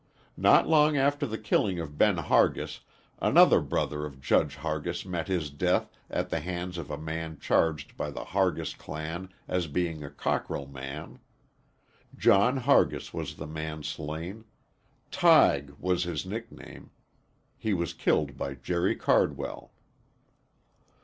Not long after the killing of Ben Hargis another brother of Judge Hargis met his death at the hands of a man charged by the Hargis clan as being a Cockrell man. John Hargis was the man slain; "Tige" was his nickname. He was killed by Jerry Cardwell.